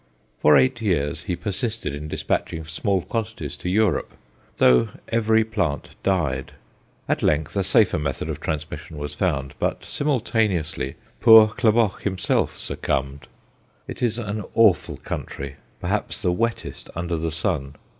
For eight years he persisted in despatching small quantities to Europe, though every plant died; at length a safer method of transmission was found, but simultaneously poor Klaboch himself succumbed. It is an awful country perhaps the wettest under the sun.